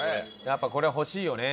やっぱこれ欲しいよね